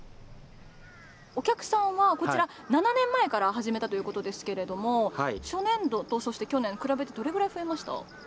お客さんは７年前から始めたということですが初年度とそして去年比べてどれくらい増えました？